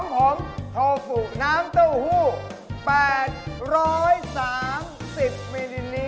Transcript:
ของผมโทฟุกน้ำเต้าหู้๘๓๐มิลลิตร